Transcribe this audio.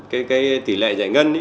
cái tỷ lệ giải ngân